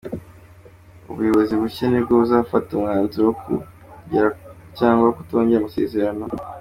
Ubuyobozi bushya nibwo buzafata umwanzuro wo kongera cyangwa kutongera amasezerano.